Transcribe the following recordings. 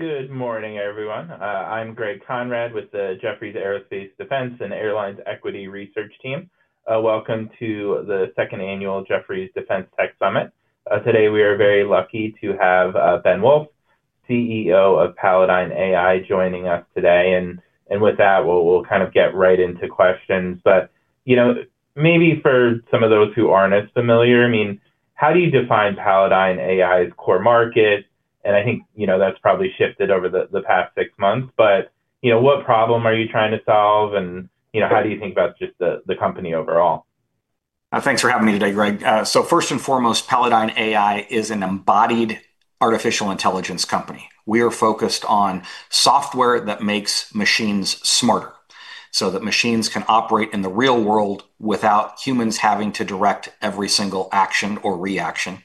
Good morning, everyone. I'm Greg Konrad with the Jefferies Aerospace, Defense, and Airlines Equity Research Team. Welcome to the second annual Jefferies Defense Tech Summit. Today, we are very lucky to have Ben Wolff, CEO of Palladyne AI, joining us today. With that, we'll kind of get right into questions. Maybe for some of those who aren't as familiar, how do you define Palladyne AI's core market? I think that's probably shifted over the past six months, but what problem are you trying to solve, and how do you think about just the company overall? Thanks for having me today, Greg Konrad. First and foremost, Palladyne AI is an embodied artificial intelligence company. We are focused on software that makes machines smarter, so that machines can operate in the real world without humans having to direct every single action or reaction,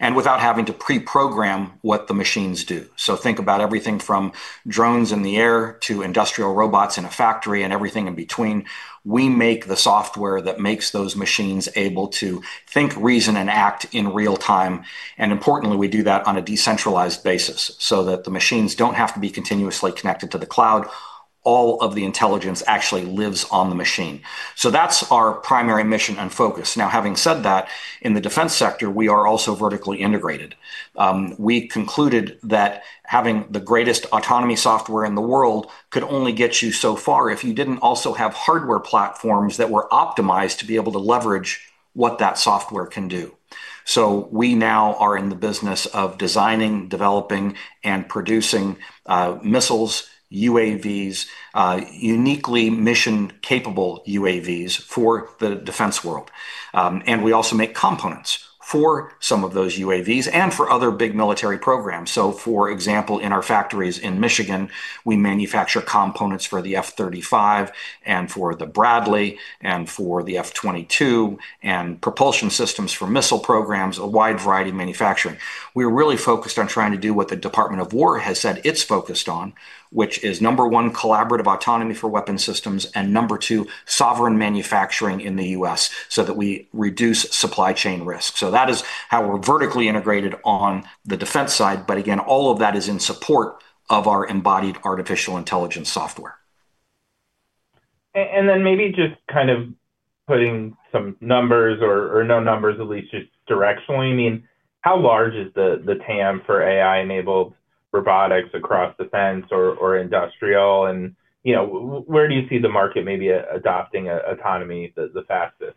and without having to pre-program what the machines do. Think about everything, from drones in the air to industrial robots in a factory, and everything in between. We make the software that makes those machines able to think, reason, and act in real time. Importantly, we do that on a decentralized basis, so that the machines don't have to be continuously connected to the cloud. All of the intelligence actually lives on the machine. That's our primary mission and focus. Now, having said that, in the defense sector, we are also vertically integrated. We concluded that having the greatest autonomy software in the world could only get you so far if you didn't also have hardware platforms that were optimized to be able to leverage what that software can do. We now are in the business of designing, developing, and producing missiles, UAVs, uniquely mission-capable UAVs for the defense world. We also make components for some of those UAVs and for other big military programs. For example, in our factories in Michigan, we manufacture components for the F-35, and for the Bradley, and for the F-22, and propulsion systems for missile programs, a wide variety of manufacturing. We're really focused on trying to do what the Department of War has said it's focused on, which is, number one, collaborative autonomy for weapons systems, and number two, sovereign manufacturing in the U.S., so that we reduce supply chain risk. That is how we're vertically integrated on the defense side. Again, all of that is in support of our embodied artificial intelligence software. Maybe just kind of putting some numbers, or no numbers at least, just directionally, how large is the TAM for AI-enabled robotics across defense or industrial, and where do you see the market maybe adopting autonomy the fastest?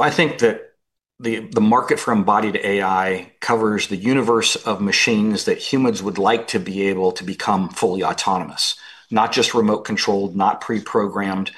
I think that the market for embodied AI covers the universe of machines that humans would like to be able to become fully autonomous, not just remote controlled, not pre-programmed.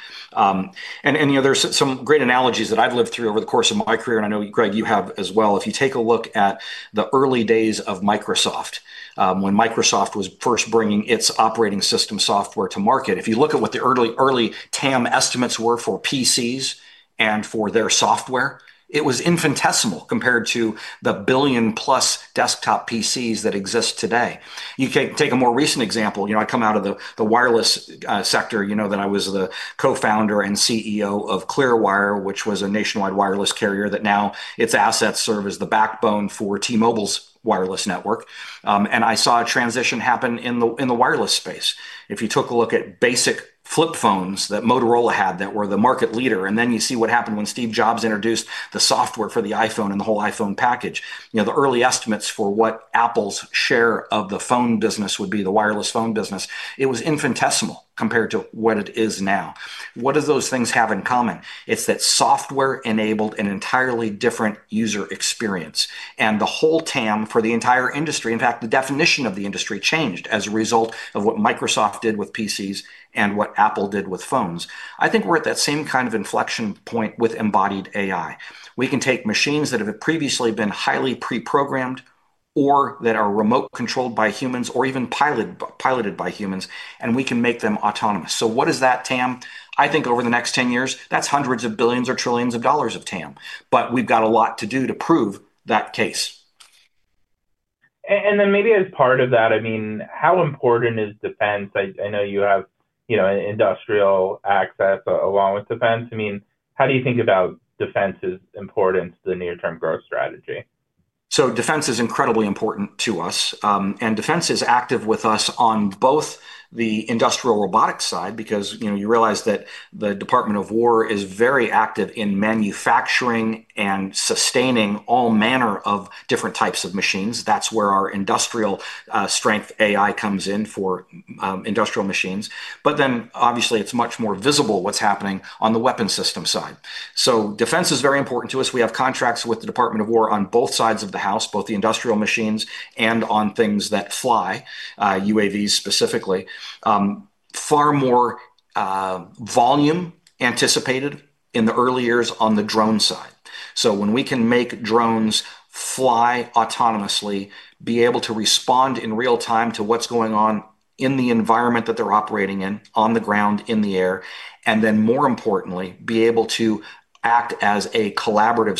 There's some great analogies that I've lived through over the course of my career, and I know, Greg, you have as well. If you take a look at the early days of Microsoft, when Microsoft was first bringing its operating system software to market, if you look at what the early TAM estimates were for PCs and for their software, it was infinitesimal compared to the billion-plus desktop PCs that exist today. You can take a more recent example. I come out of the wireless sector. You know that I was the co-founder and CEO of Clearwire, which was a nationwide wireless carrier that now its assets serve as the backbone for T-Mobile's wireless network. I saw a transition happen in the wireless space. If you took a look at basic flip phones that Motorola had that were the market leader, and then you see what happened when Steve Jobs introduced the software for the iPhone and the whole iPhone package. The early estimates for what Apple's share of the phone business would be, the wireless phone business, it was infinitesimal compared to what it is now. What do those things have in common? It's that software enabled an entirely different user experience, and the whole TAM for the entire industry, in fact, the definition of the industry changed as a result of what Microsoft did with PCs and what Apple did with phones. I think we're at that same kind of inflection point with embodied AI. We can take machines that have previously been highly pre-programmed or that are remote controlled by humans, or even piloted by humans, and we can make them autonomous. What is that TAM? I think over the next 10 years, that's hundreds of billions or trillions of dollars of TAM, but we've got a lot to do to prove that case. Maybe as part of that, how important is defense? I know you have industrial access along with defense. How do you think about defense's importance to the near-term growth strategy? Defense is incredibly important to us, and defense is active with us on both the industrial robotics side, because you realize that the Department of War is very active in manufacturing and sustaining all manner of different types of machines. That's where our industrial strength AI comes in for industrial machines. Obviously it's much more visible what's happening on the weapons systems side. Defense is very important to us. We have contracts with the Department of War on both sides of the house, both the industrial machines and on things that fly, UAVs specifically. Far more volume anticipated in the early years on the drone side. When we can make drones fly autonomously, be able to respond in real time to what's going on in the environment that they're operating in, on the ground, in the air, and then more importantly, be able to act as a collaborative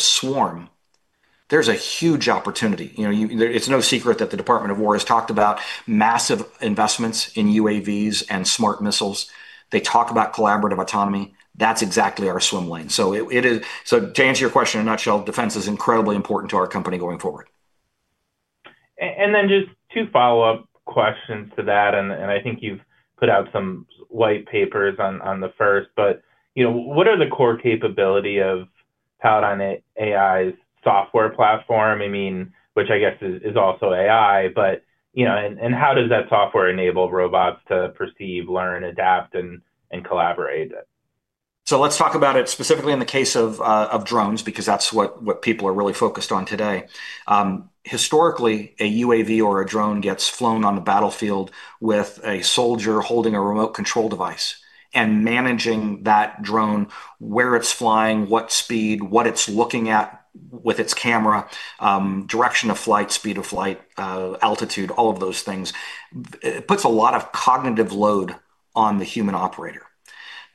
swarm. There's a huge opportunity. It's no secret that the Department of War has talked about massive investments in UAVs and smart missiles. They talk about collaborative autonomy. That's exactly our swim lane. To answer your question in a nutshell, defense is incredibly important to our company going forward. Just two follow-up questions to that. I think you've put out some white papers on the first. What are the core capability of Palladyne AI's software platform? Which I guess is also AI, but, and how does that software enable robots to perceive, learn, adapt, and collaborate? Let's talk about it specifically in the case of drones, because that's what people are really focused on today. Historically, a UAV or a drone gets flown on the battlefield with a soldier holding a remote control device and managing that drone, where it's flying, what speed, what it's looking at with its camera, direction of flight, speed of flight, altitude, all of those things. It puts a lot of cognitive load on the human operator.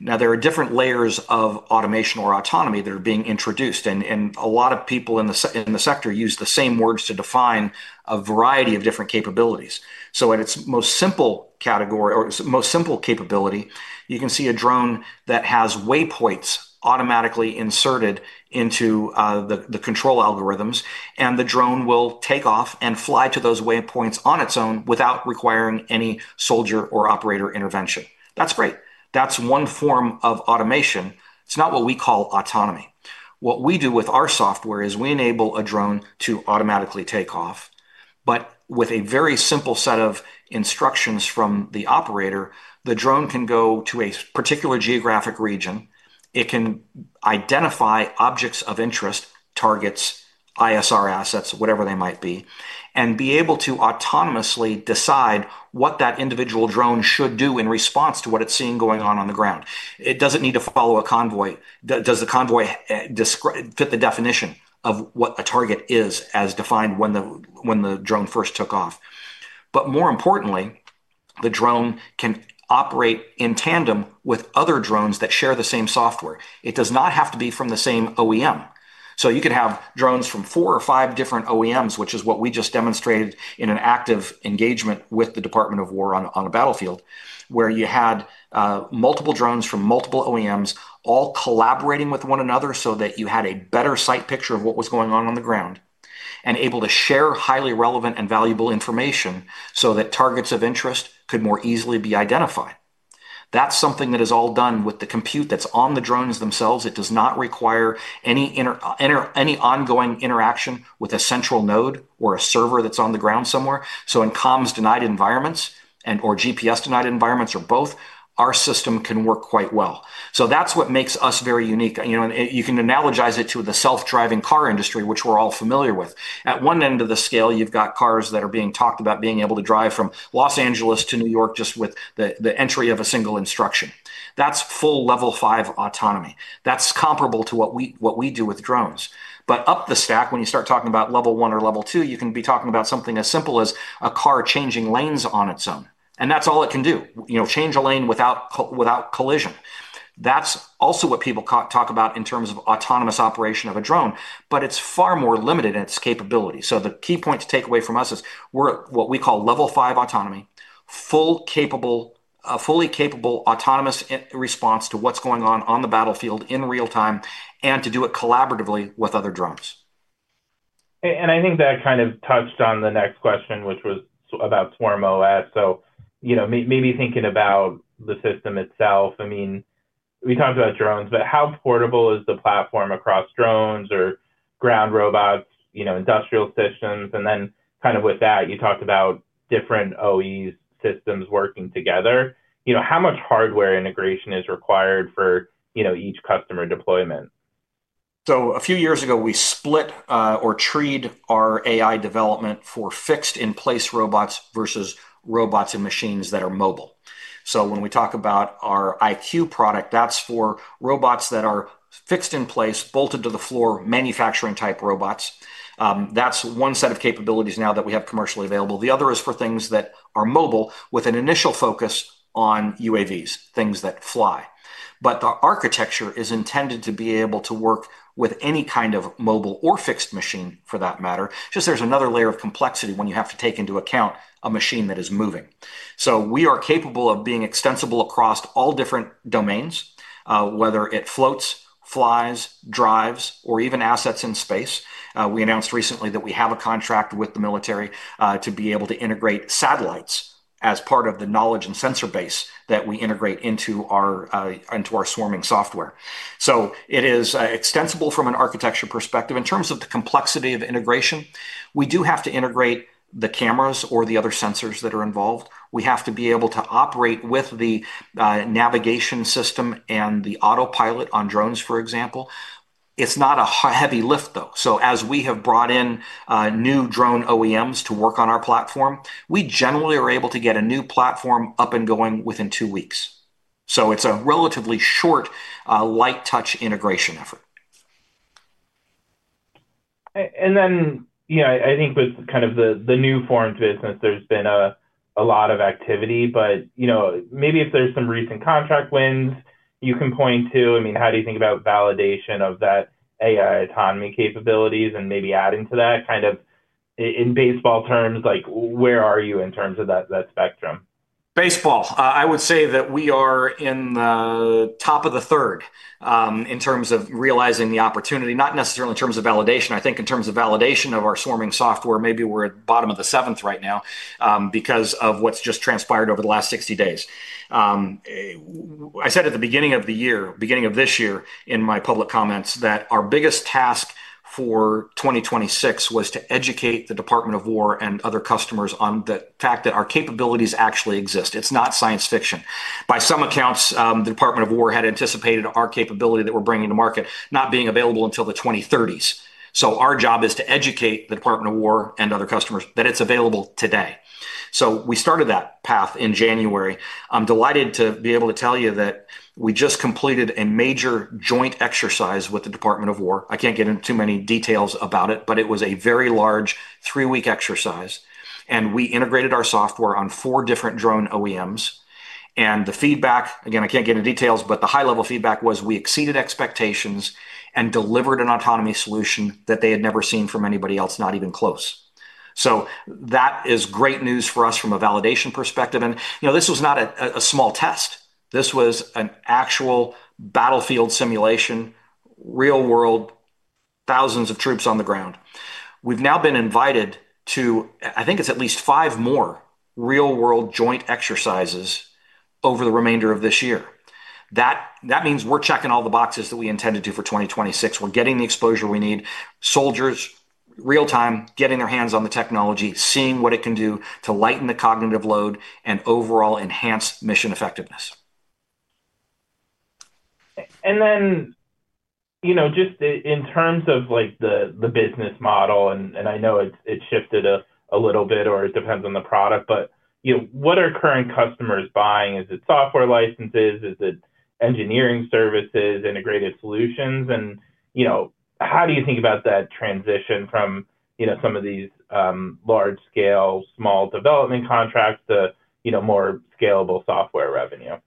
There are different layers of automation or autonomy that are being introduced, and a lot of people in the sector use the same words to define a variety of different capabilities. At its most simple category or most simple capability, you can see a drone that has way points automatically inserted into the control algorithms, and the drone will take off and fly to those waypoints on its own without requiring any soldier or operator intervention. That's great. That's one form of automation. It's not what we call autonomy. What we do with our software is we enable a drone to automatically take off, but with a very simple set of instructions from the operator. The drone can go to a particular geographic region. It can identify objects of interest, targets, ISR assets, whatever they might be, and be able to autonomously decide what that individual drone should do in response to what it's seeing going on on the ground. It doesn't need to follow a convoy. Does the convoy fit the definition of what a target is as defined when the drone first took off? More importantly, the drone can operate in tandem with other drones that share the same software. It does not have to be from the same OEM. You could have drones from four or five different OEMs, which is what we just demonstrated in an active engagement with the Department of War on a battlefield, where you had multiple drones from multiple OEMs all collaborating with one another so that you had a better sight picture of what was going on on the ground, and able to share highly relevant and valuable information so that targets of interest could more easily be identified. That's something that is all done with the compute that's on the drones themselves. It does not require any ongoing interaction with a central node or a server that's on the ground somewhere. In comms denied environments and/or GPS denied environments or both, our system can work quite well. That's what makes us very unique. You can analogize it to the self-driving car industry, which we're all familiar with. At one end of the scale, you've got cars that are being talked about being able to drive from Los Angeles to New York just with the entry of a single instruction. That's full Level 5 autonomy. That's comparable to what we do with drones. Up the stack, when you start talking about level 1 or level 2, you can be talking about something as simple as a car changing lanes on its own, and that's all it can do. Change a lane without collision. That's also what people talk about in terms of autonomous operation of a drone, but it's far more limited in its capability. The key point to take away from us is we're at what we call Level 5 autonomy, fully capable, autonomous response to what's going on on the battlefield in real time, and to do it collaboratively with other drones. I think that kind of touched on the next question, which was about SwarmOS. Maybe thinking about the system itself. We talked about drones, but how portable is the platform across drones or ground robots, industrial systems? Kind of with that, you talked about different OEMs systems working together. How much hardware integration is required for each customer deployment? A few years ago, we split or tiered our AI development for fixed in place robots versus robots and machines that are mobile. When we talk about our IQ product, that's for robots that are fixed in place, bolted to the floor, manufacturing type robots. That's one set of capabilities now that we have commercially available. The other is for things that are mobile with an initial focus on UAVs, things that fly. The architecture is intended to be able to work with any kind of mobile or fixed machine for that matter. It's just there's another layer of complexity when you have to take into account a machine that is moving. We are capable of being extensible across all different domains, whether it floats, flies, drives, or even assets in space. We announced recently that we have a contract with the military, to be able to integrate satellites as part of the knowledge and sensor base that we integrate into our swarming software. It is extensible from an architecture perspective. In terms of the complexity of integration, we do have to integrate the cameras or the other sensors that are involved. We have to be able to operate with the navigation system and the autopilot on drones, for example. It's not a heavy lift, though. As we have brought in new drone OEMs to work on our platform, we generally are able to get a new platform up and going within two weeks. It's a relatively short, light touch integration effort. I think with kind of the new formed business, there's been a lot of activity, but maybe if there's some recent contract wins you can point to. How do you think about validation of that AI autonomy capabilities and maybe adding to that kind of in baseball terms, like where are you in terms of that spectrum? Baseball. I would say that we are in the top of the third in terms of realizing the opportunity, not necessarily in terms of validation. I think in terms of validation of our SwarmOS, maybe we're at bottom of the seventh right now because of what's just transpired over the last 60 days. I said at the beginning of this year in my public comments that our biggest task for 2026 was to educate the Department of War and other customers on the fact that our capabilities actually exist. It's not science fiction. By some accounts, the Department of War had anticipated our capability that we're bringing to market not being available until the 2030s. Our job is to educate the Department of War and other customers that it's available today. We started that path in January. I'm delighted to be able to tell you that we just completed a major joint exercise with the Department of War. I can't get into too many details about it, but it was a very large three-week exercise, and we integrated our software on four different drone OEMs. The feedback, again, I can't get into details, but the high-level feedback was we exceeded expectations and delivered an autonomy solution that they had never seen from anybody else, not even close. That is great news for us from a validation perspective. This was not a small test. This was an actual battlefield simulation, real world, thousands of troops on the ground. We've now been invited to, I think it's at least five more real-world joint exercises over the remainder of this year. That means we're checking all the boxes that we intend to do for 2026. We're getting the exposure we need. Soldiers real-time, getting their hands on the technology, seeing what it can do to lighten the cognitive load and overall enhance mission effectiveness. Just in terms of the business model, and I know it shifted a little bit, or it depends on the product, but what are current customers buying? Is it software licenses? Is it engineering services, integrated solutions? How do you think about that transition from some of these large-scale small development contracts to more scalable software revenue?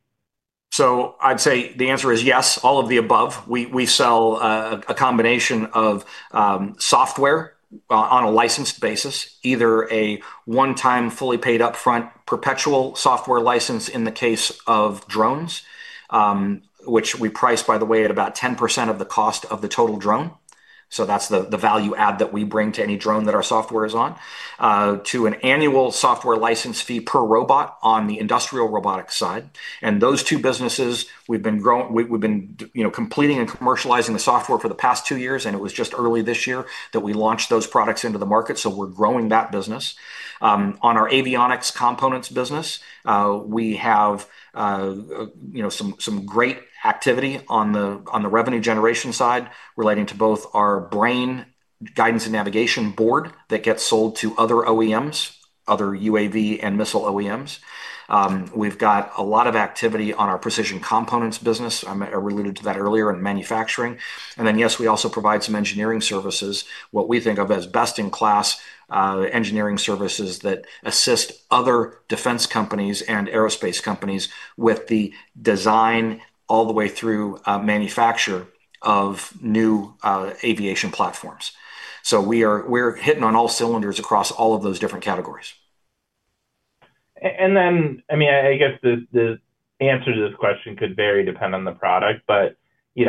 I'd say the answer is yes, all of the above. We sell a combination of software on a licensed basis, either a one-time, fully paid upfront, perpetual software license in the case of drones, which we price, by the way, at about 10% of the cost of the total drone. That's the value add that we bring to any drone that our software is on, to an annual software license fee per robot on the industrial robotics side. Those two businesses we've been completing and commercializing the software for the past two years, and it was just early this year that we launched those products into the market, so we're growing that business. On our avionics components business, we have some great activity on the revenue generation side relating to both our BRAIN guidance and navigation board that gets sold to other OEMs, other UAV and missile OEMs. We've got a lot of activity on our precision components business. I alluded to that earlier in manufacturing. Yes, we also provide some engineering services, what we think of as best-in-class engineering services that assist other defense companies and aerospace companies with the design all the way through manufacture of new aviation platforms. We're hitting on all cylinders across all of those different categories. I guess the answer to this question could vary depending on the product. You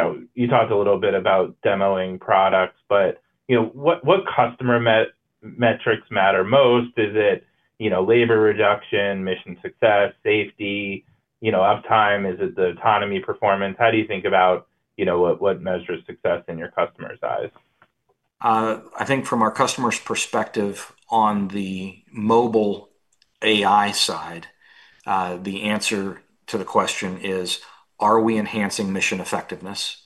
talked a little bit about demoing products, but what customer metrics matter most? Is it labor reduction, mission success, safety, uptime? Is it the autonomy performance? How do you think about what measures success in your customer's eyes? I think from our customer's perspective on the mobile AI side, the answer to the question is, are we enhancing mission effectiveness?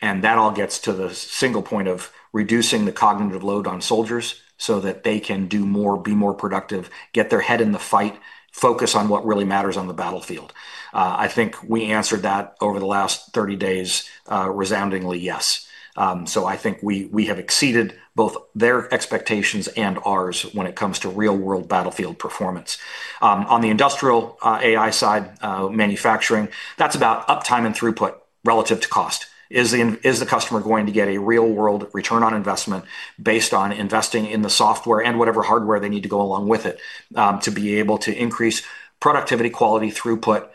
That all gets to the single point of reducing the cognitive load on soldiers so that they can do more, be more productive, get their head in the fight, focus on what really matters on the battlefield. I think we answered that over the last 30 days resoundingly, yes. I think we have exceeded both their expectations and ours when it comes to real-world battlefield performance. On the industrial AI side, manufacturing, that's about uptime and throughput relative to cost. Is the customer going to get a real-world return on investment based on investing in the software and whatever hardware they need to go along with it, to be able to increase productivity, quality, throughput,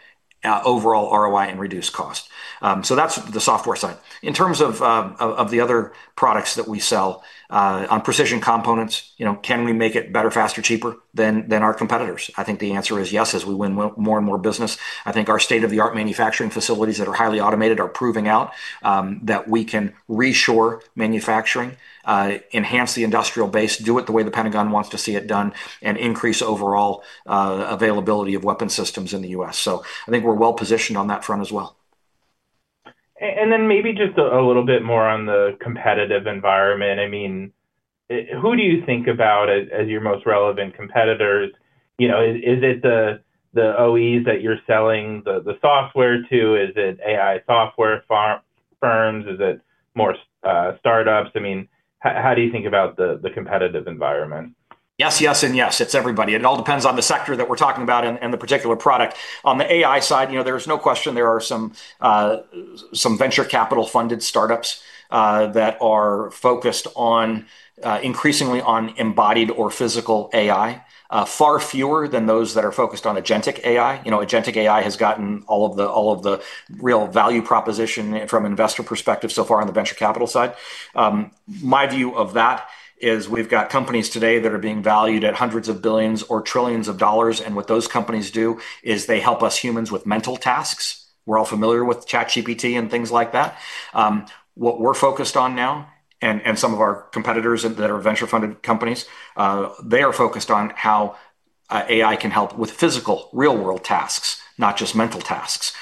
overall ROI, and reduce cost? That's the software side. In terms of the other products that we sell, on precision components, can we make it better, faster, cheaper than our competitors? I think the answer is yes as we win more and more business. I think our state-of-the-art manufacturing facilities that are highly automated are proving out that we can reshore manufacturing, enhance the industrial base, do it the way the Pentagon wants to see it done, and increase overall availability of weapon systems in the U.S.. I think we're well-positioned on that front as well. Then maybe just a little bit more on the competitive environment. Who do you think about as your most relevant competitors? Is it the OEMs that you're selling the software to? Is it AI software firms? Is it more startups? How do you think about the competitive environment? Yes, it's everybody. It all depends on the sector that we're talking about and the particular product. On the AI side, there's no question there are some venture capital funded startups that are focused increasingly on embodied or physical AI. Far fewer than those that are focused on agentic AI. Agentic AI has gotten all of the real value proposition from investor perspective so far on the venture capital side. My view of that is we've got companies today that are being valued at hundreds of billions or trillions of dollars, and what those companies do is they help us humans with mental tasks. We're all familiar with ChatGPT and things like that. What we're focused on now, and some of our competitors that are venture funded companies, they are focused on how AI can help with physical, real-world tasks, not just mental tasks.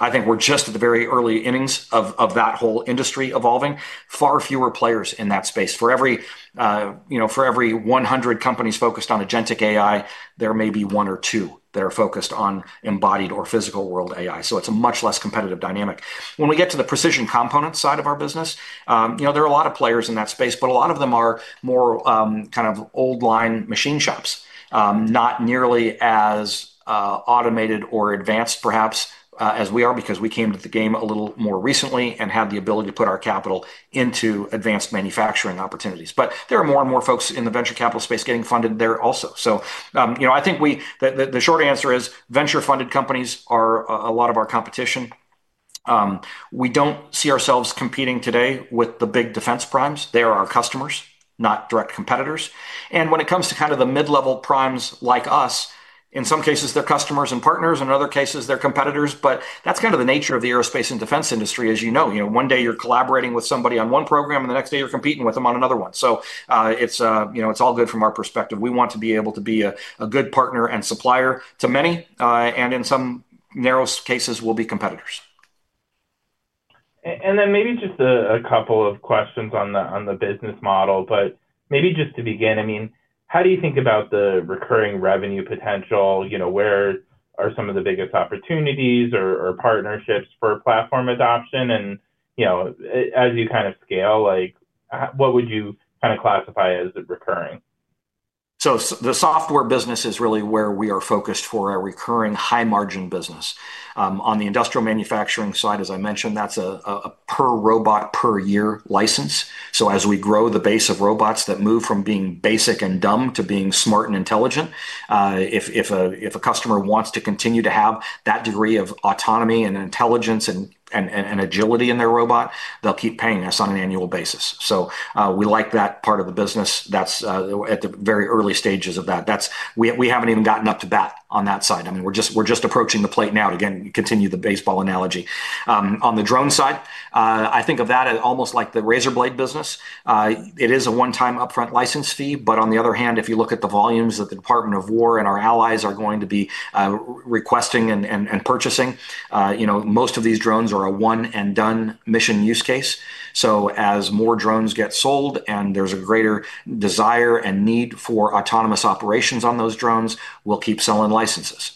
I think we're just at the very early innings of that whole industry evolving. Far fewer players in that space. For every 100 companies focused on agentic AI, there may be one or two that are focused on embodied or physical world AI, it's a much less competitive dynamic. When we get to the precision component side of our business, there are a lot of players in that space, a lot of them are more kind of old line machine shops. Not nearly as automated or advanced perhaps as we are because we came to the game a little more recently and had the ability to put our capital into advanced manufacturing opportunities. There are more and more folks in the venture capital space getting funded there also. I think the short answer is venture funded companies are a lot of our competition. We don't see ourselves competing today with the big defense primes. They are our customers, not direct competitors. When it comes to kind of the mid-level primes like us, in some cases, they're customers and partners, and in other cases, they're competitors, but that's kind of the nature of the aerospace and defense industry, as you know. One day you're collaborating with somebody on one program, and the next day you're competing with them on another one. It's all good from our perspective. We want to be able to be a good partner and supplier to many, and in some narrow cases we'll be competitors. Maybe just a couple of questions on the business model, but maybe just to begin, how do you think about the recurring revenue potential? Where are some of the biggest opportunities or partnerships for platform adoption? As you kind of scale, what would you kind of classify as recurring? The software business is really where we are focused for a recurring high margin business. On the industrial manufacturing side, as I mentioned, that's a per robot per year license. As we grow the base of robots that move from being basic and dumb to being smart and intelligent, if a customer wants to continue to have that degree of autonomy and intelligence and agility in their robot, they'll keep paying us on an annual basis. We like that part of the business. That's at the very early stages of that. We haven't even gotten up to bat on that side. We're just approaching the plate now, again, continue the baseball analogy. On the drone side, I think of that as almost like the razor blade business. It is a one-time upfront license fee. On the other hand, if you look at the volumes that the Department of War and our allies are going to be requesting and purchasing, most of these drones are a one-and-done mission use case. As more drones get sold and there's a greater desire and need for autonomous operations on those drones, we'll keep selling licenses.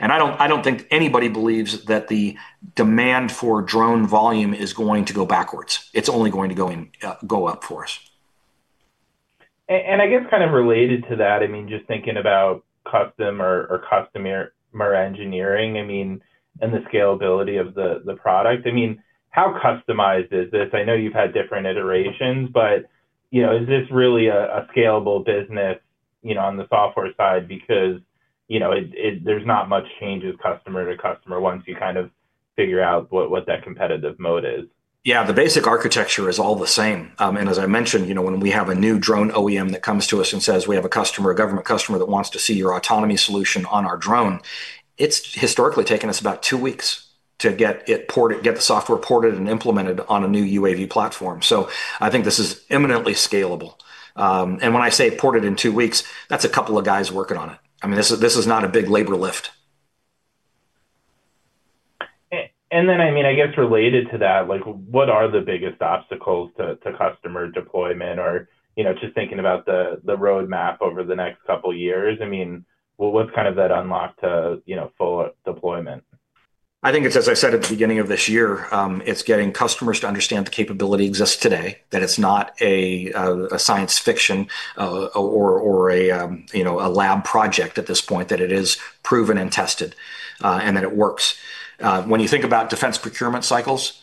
I don't think anybody believes that the demand for drone volume is going to go backwards. It's only going to go up for us. I guess kind of related to that, just thinking about custom or customer engineering, and the scalability of the product, how customized is this? I know you've had different iterations, but is this really a scalable business on the software side because there's not much change with customer to customer once you kind of figure out what that competitive moat is. Yeah, the basic architecture is all the same. As I mentioned, when we have a new drone OEM that comes to us and says, "We have a customer, a government customer that wants to see your autonomy solution on our drone," it's historically taken us about two weeks to get the software ported and implemented on a new UAV platform. I think this is imminently scalable. When I say ported in two weeks, that's a couple of guys working on it. This is not a big labor lift. I guess related to that, what are the biggest obstacles to customer deployment or, just thinking about the roadmap over the next couple of years, what's kind of that unlock to full deployment? I think it's as I said at the beginning of this year, it's getting customers to understand the capability exists today, that it's not a science fiction or a lab project at this point, that it is proven and tested, and that it works. When you think about defense procurement cycles,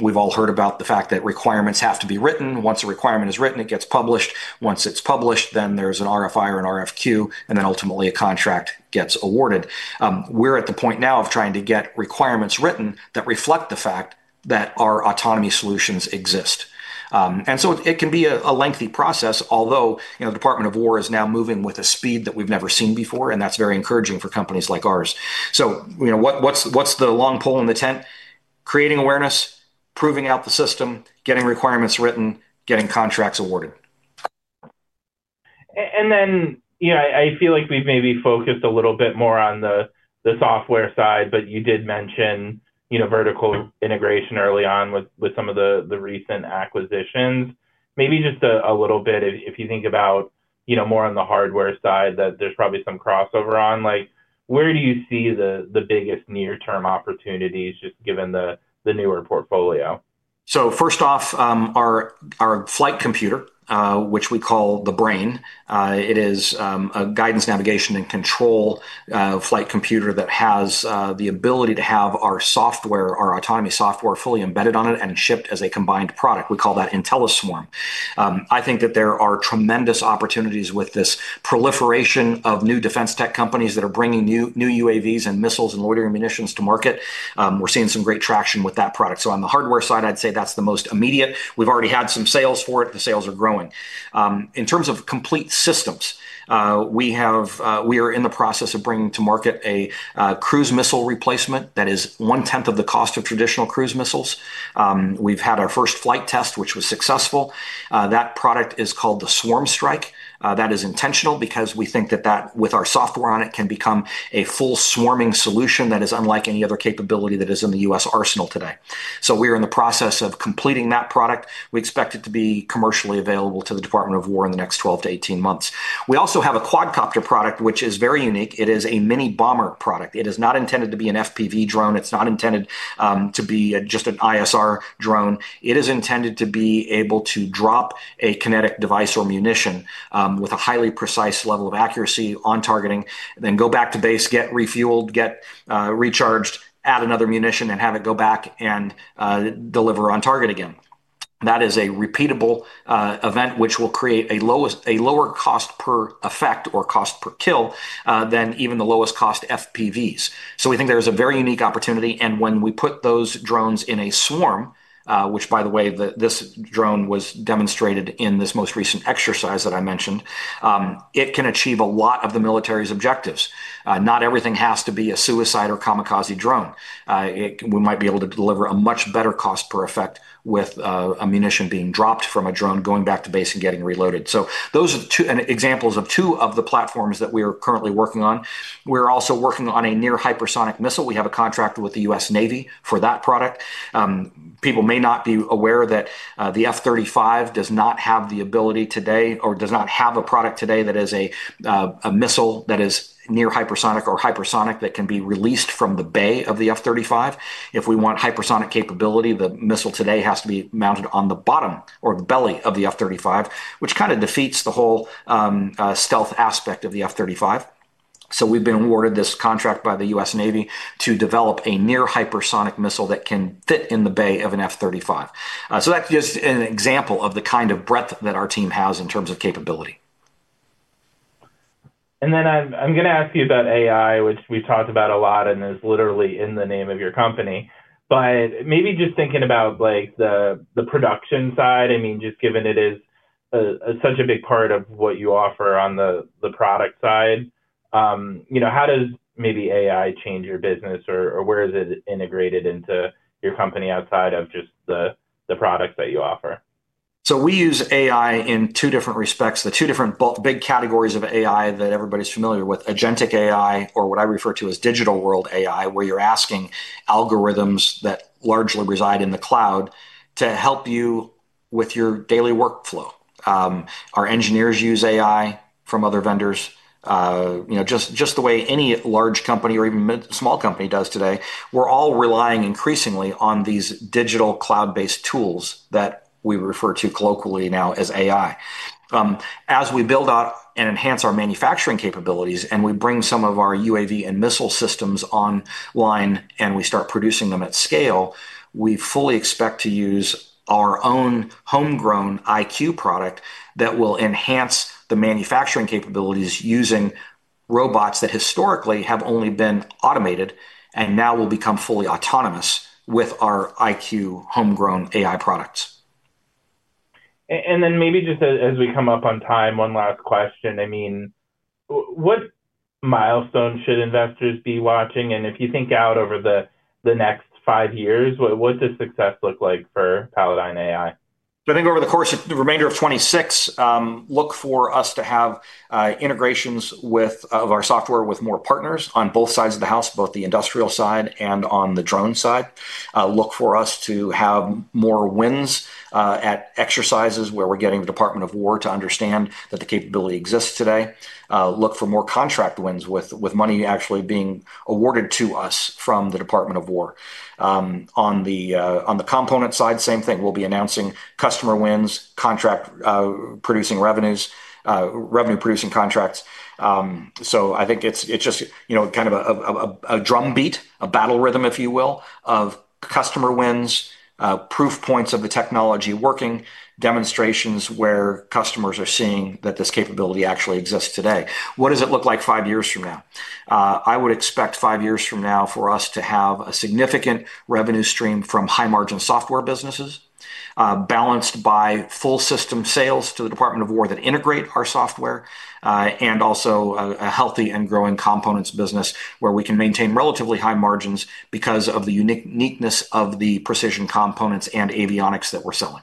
we've all heard about the fact that requirements have to be written. Once a requirement is written, it gets published. Once it's published, there's an RFI or an RFQ, ultimately a contract gets awarded. We're at the point now of trying to get requirements written that reflect the fact that our autonomy solutions exist. It can be a lengthy process, although, the Department of War is now moving with a speed that we've never seen before, and that's very encouraging for companies like ours. What's the long pole in the tent? Creating awareness, proving out the system, getting requirements written, getting contracts awarded. I feel like we've maybe focused a little bit more on the software side, but you did mention vertical integration early on with some of the recent acquisitions. Maybe just a little bit, if you think about more on the hardware side that there's probably some crossover on, where do you see the biggest near term opportunities just given the newer portfolio? First off, our flight computer, which we call the BRAIN, it is a guidance, navigation, and control flight computer that has the ability to have our autonomy software fully embedded on it and shipped as a combined product. We call that IntelliSwarm. I think that there are tremendous opportunities with this proliferation of new defense tech companies that are bringing new UAVs and missiles and loitering munitions to market. We're seeing some great traction with that product. On the hardware side, I'd say that's the most immediate. We've already had some sales for it. The sales are growing. In terms of complete systems, we are in the process of bringing to market a cruise missile replacement that is one-tenth of the cost of traditional cruise missiles. We've had our first flight test, which was successful. That product is called the SwarmStrike. That is intentional because we think that that, with our software on it, can become a full swarming solution that is unlike any other capability that is in the U.S. arsenal today. We are in the process of completing that product. We expect it to be commercially available to the Department of War in the next 12-18 months. We also have a quadcopter product, which is very unique. It is a mini bomber product. It is not intended to be an FPV drone. It's not intended to be just an ISR drone. It is intended to be able to drop a kinetic device or munition with a highly precise level of accuracy on targeting, then go back to base, get refueled, get recharged, add another munition, and have it go back and deliver on target again. That is a repeatable event which will create a lower cost per effect or cost per kill than even the lowest cost FPVs. We think there is a very unique opportunity, and when we put those drones in a swarm, which by the way, this drone was demonstrated in this most recent exercise that I mentioned, it can achieve a lot of the military's objectives. Not everything has to be a suicide or kamikaze drone. We might be able to deliver a much better cost per effect with a munition being dropped from a drone, going back to base, and getting reloaded. Those are examples of two of the platforms that we are currently working on. We're also working on a near-hypersonic missile. We have a contract with the U.S. Navy for that product. People may not be aware that the F-35 does not have the ability today or does not have a product today that is a missile that is near hypersonic or hypersonic that can be released from the bay of the F-35. If we want hypersonic capability, the missile today has to be mounted on the bottom or the belly of the F-35, which kind of defeats the whole stealth aspect of the F-35. We've been awarded this contract by the U.S. Navy to develop a near-hypersonic missile that can fit in the bay of an F-35. That's just an example of the kind of breadth that our team has in terms of capability. I'm going to ask you about AI, which we've talked about a lot and is literally in the name of your company. Maybe just thinking about the production side, just given it is such a big part of what you offer on the product side, how does maybe AI change your business? Where is it integrated into your company outside of just the product that you offer? We use AI in two different respects. The two different big categories of AI that everybody's familiar with, agentic AI, or what I refer to as digital world AI, where you're asking algorithms that largely reside in the cloud to help you with your daily workflow. Our engineers use AI from other vendors, just the way any large company or even small company does today. We're all relying increasingly on these digital cloud-based tools that we refer to colloquially now as AI. As we build out and enhance our manufacturing capabilities and we bring some of our UAV and missile systems online and we start producing them at scale, we fully expect to use our own homegrown IQ product that will enhance the manufacturing capabilities using robots that historically have only been automated and now will become fully autonomous with our IQ homegrown AI products. Maybe just as we come up on time, one last question. What milestones should investors be watching? If you think out over the next five years, what does success look like for Palladyne AI? I think over the course of the remainder of 2026, look for us to have integrations of our software with more partners on both sides of the house, both the industrial side and on the drone side. Look for us to have more wins at exercises where we're getting the Department of War to understand that the capability exists today. Look for more contract wins with money actually being awarded to us from the Department of War. On the component side, same thing. We'll be announcing customer wins, revenue producing contracts. I think it's just kind of a drum beat, a battle rhythm, if you will, of customer wins, proof points of the technology working, demonstrations where customers are seeing that this capability actually exists today. What does it look like five years from now? I would expect five years from now for us to have a significant revenue stream from high-margin software businesses balanced by full system sales to the Department of War that integrate our software, and also a healthy and growing components business where we can maintain relatively high margins because of the uniqueness of the precision components and avionics that we're selling.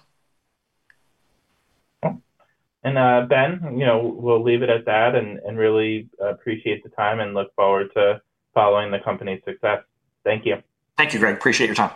Okay. Ben, we'll leave it at that, and really appreciate the time, and look forward to following the company's success. Thank you. Thank you, Greg. Appreciate your time.